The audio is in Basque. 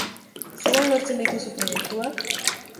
Zelan lortzen dituzu proiektuak?